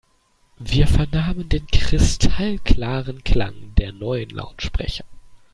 Wir vernahmen den kristallklaren Klang der neuen Lautsprecher.